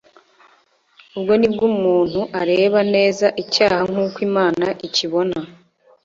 Ubwo nibwo umuntu areba neza icyaha nk'uko Imana ikibona.